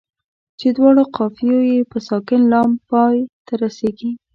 چې دواړو قافیه یې په ساکن لام پای ته رسيږي.